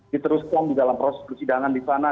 diteruskan dalam prosedur sidangan di sana